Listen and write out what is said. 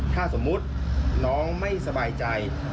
ถ้าสมมุติน้องไม่สบายใจ